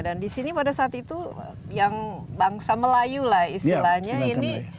dan di sini pada saat itu yang bangsa melayu lah istilahnya ini